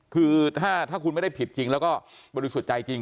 คือถ้าคุณไม่ได้ผิดจริงแล้วก็บริสุทธิ์ใจจริง